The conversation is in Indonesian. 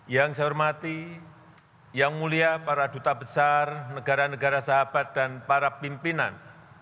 yang saya hormati yang mulia para duta besar negara negara sahabat dan para pimpinan